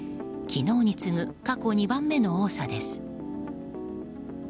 昨日に次ぐ過去２番目の多さです。